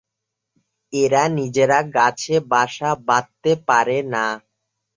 এরা নিজেরা গাছে বাসা বাঁধতে পারে না।